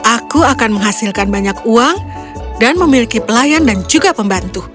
aku akan menghasilkan banyak uang dan memiliki pelayan dan juga pembantu